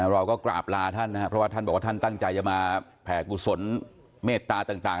เราก็กราบลาท่านนะครับเพราะว่าท่านบอกว่าท่านตั้งใจจะมาแผ่กุศลเมตตาต่าง